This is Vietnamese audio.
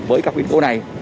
với các biến cố này